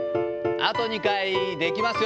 あと２回、できますよ。